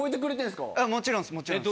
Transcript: もちろんですもちろんです。